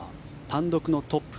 単独のトップ。